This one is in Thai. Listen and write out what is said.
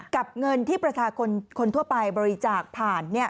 กับเงินที่ประชาชนคนทั่วไปบริจาคผ่าน